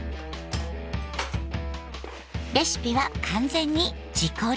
レシピは完全に自己流。